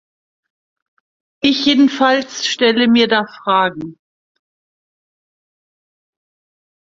Ich jedenfalls stelle mir da Fragen.